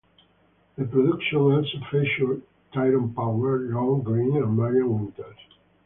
The production also featured Tyrone Power, Lorne Greene and Marian Winters.